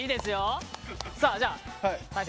さあじゃあ大晴。